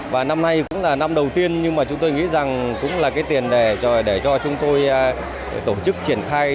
và năm nay cũng là năm đầu tiên nhưng mà chúng tôi nghĩ rằng cũng là cái tiền đề để cho chúng tôi tổ chức triển khai